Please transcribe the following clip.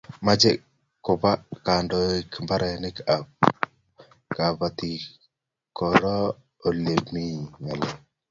Mache koba kandoik mbaronik ab kabatik koro ole mito nyalilwek